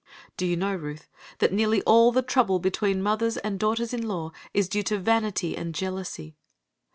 Do you know, Ruth, that nearly all the trouble between mothers and daughters in law is due to vanity and jealousy.